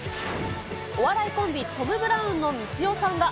お笑いコンビ、トム・ブラウンのみちおさんが、